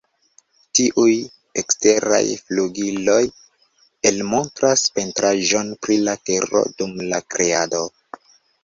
Tiuj eksteraj flugiloj, elmontras pentraĵon pri la tero dum la Kreado.